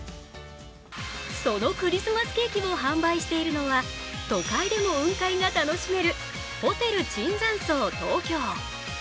そのクリスマスケーキを販売しているのは都会でも雲海が楽しめるホテル椿山荘東京。